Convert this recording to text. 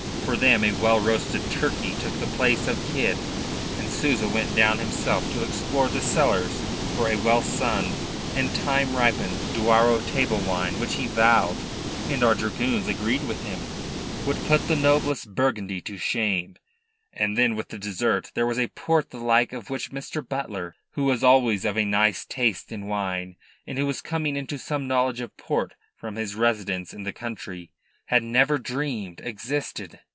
For them a well roasted turkey took the place of kid, and Souza went down himself to explore the cellars for a well sunned, time ripened Douro table wine which he vowed and our dragoons agreed with him would put the noblest Burgundy to shame; and then with the dessert there was a Port the like of which Mr. Butler who was always of a nice taste in wine, and who was coming into some knowledge of Port from his residence in the country had never dreamed existed.